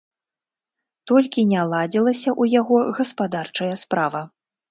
Толькі не ладзілася ў яго гаспадарчая справа.